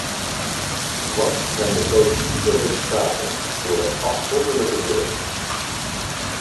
Wat zijn de positieve resultaten voor de afzonderlijke burgers?